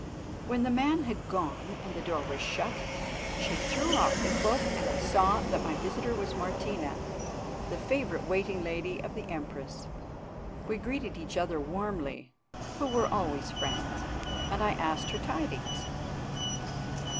When the man had gone and the door was shut, she threw off the cloak and I saw that my visitor was Martina, the favourite waiting lady of the Empress. We greeted each other warmly, who were always friends, and I asked her tidings.